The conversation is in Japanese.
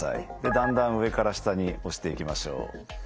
だんだん上から下に押していきましょう。